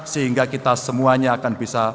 sehingga kita semuanya akan bisa